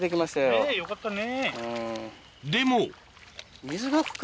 ねぇよかったね。